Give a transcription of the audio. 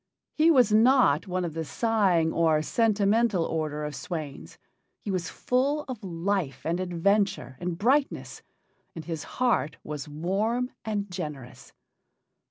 He was not one of the sighing or sentimental order of swains; he was full of life and adventure and brightness, and his heart was warm and generous.